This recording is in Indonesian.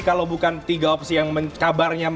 kalau bukan tiga opsi yang kabarnya